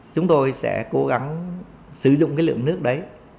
chúng tôi sẽ cố gắng sử dụng cái lượng nước đấy